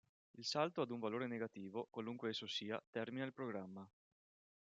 Il salto ad un valore negativo, qualunque esso sia, termina il programma.